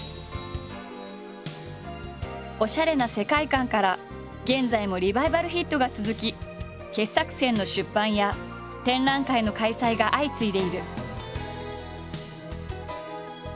おしゃれな世界観から現在もリバイバルヒットが続き傑作選の出版や展覧会の開催が相次いでいる。